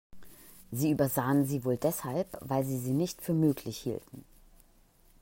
Sie übersahen sie wohl deshalb, weil sie sie nicht für möglich hielten.